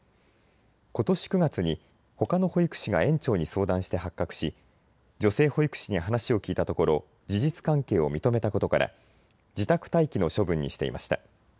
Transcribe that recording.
ことし９月にほかの保育士が園長に相談して発覚し、女性保育士に話を聞いたところ事実関係を認めたことから自宅待機の処分にしていました。